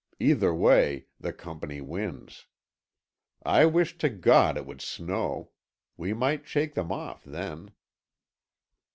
Either way, the Company wins. I wish to God it would snow. We might shake them off then."